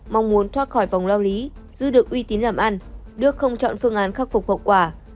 mong muốn thoát khỏi vòng lao lý giữ được uy tín làm ăn đức không chọn phương án khắc phục hậu quả